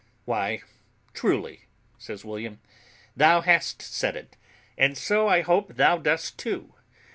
"Why, truly," says William, "thou hast said it, and so I hope thou dost too.